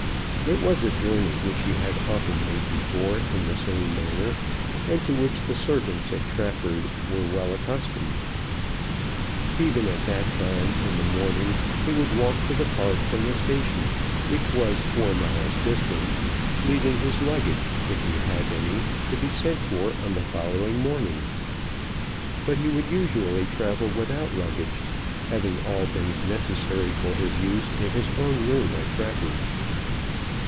It was a journey which he had often made before in the same manner, and to which the servants at Trafford were well accustomed. Even at that time in the morning he would walk to the Park from the station, which was four miles distant, leaving his luggage, if he had any, to be sent for on the following morning; but he would usually travel without luggage, having all things necessary for his use in his own room at Trafford.